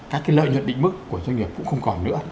các lợi nhuận định mức của doanh nghiệp cũng không còn nữa